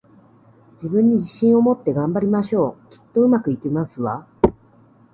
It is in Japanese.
自分に自信を持って、頑張りましょう！きっと、上手くいきますわ